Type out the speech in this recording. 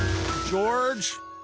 ジョージ。